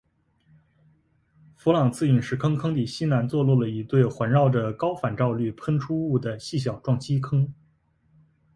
弗朗茨陨石坑坑底西南坐落了一对环绕着高反照率喷出物的细小撞击坑。